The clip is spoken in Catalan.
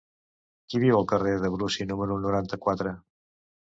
Qui viu al carrer de Brusi número noranta-quatre?